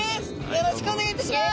よろしくお願いします。